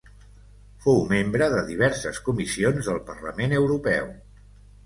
Fou membre de diverses comissions del Parlament Europeu.